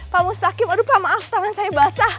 pak mustaqim aduh maaf tangan saya basah